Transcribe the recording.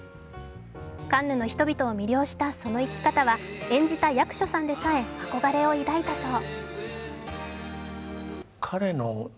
カンヌの人々を魅了したその生き方は演じた役所さんでさえ憧れを抱いたそう。